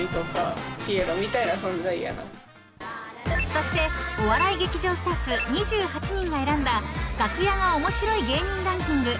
［そしてお笑い劇場スタッフ２８人が選んだ楽屋が面白い芸人ランキング